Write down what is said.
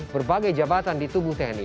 berbagai jabatan di tubuh tni